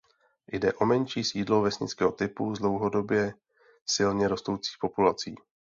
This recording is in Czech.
Jde o menší sídlo vesnického typu s dlouhodobě silně rostoucí populací.